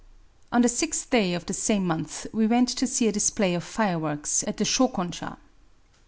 On the sixth day of the same month we went to see a display of fireworks at the Shokonsha.